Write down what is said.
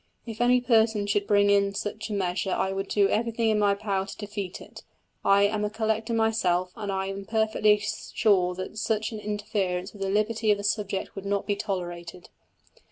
If any person should bring in such a measure I would do everything in my power to defeat it. I am a collector myself and I am perfectly sure that such an interference with the liberty of the subject would not be tolerated."